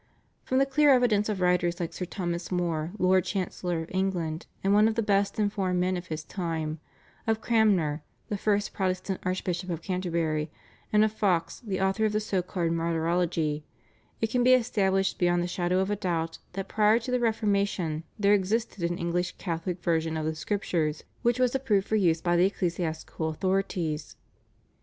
From the clear evidence of writers like Sir Thomas More, Lord Chancellor of England and one of the best informed men of his time, of Cranmer, the first Protestant Archbishop of Canterbury, and of Foxe the author of the so called Martyrology, it can be established beyond the shadow of a doubt that prior to the Reformation there existed an English Catholic version of the Scriptures, which was approved for use by the ecclesiastical authorities.